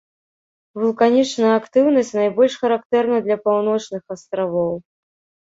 Вулканічная актыўнасць найбольш характэрна для паўночных астравоў.